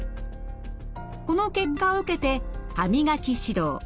この結果を受けて歯磨き指導。